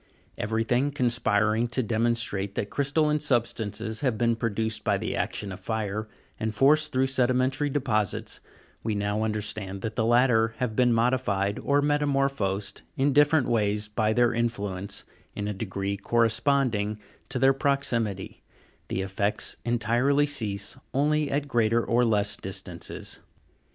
Everything conspiring to demonstrate that crystalline substances have been produced by the action of fire, and forced through sedimentary deposits, we now understand that the latter have been modified, or metamorphosed in different ways by their influence, in a degree corresponding to their proxi mity : the effects entirely cease only at greater or less distances.